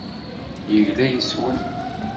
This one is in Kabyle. Yegla yes-wen.